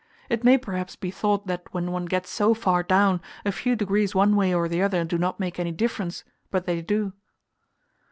It may perhaps be thought that when one gets so far down, a few degrees one way or the other do not make any difference, but they do.